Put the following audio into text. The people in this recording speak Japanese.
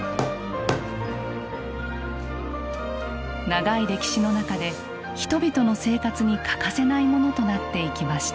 長い歴史の中で人々の生活に欠かせないモノとなっていきました。